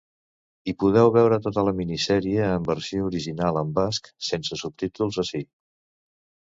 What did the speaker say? I podeu veure tota la minisèrie en versió original en basc sense subtítols ací.